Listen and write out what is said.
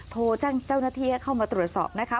โทรแจ้งเจ้าหน้าที่ให้เข้ามาตรวจสอบนะคะ